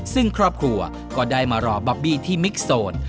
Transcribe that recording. ซึ่งครอบครัวก็ได้มารอบับบี้ที่มิกโซน